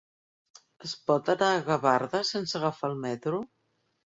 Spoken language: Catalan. Es pot anar a Gavarda sense agafar el metro?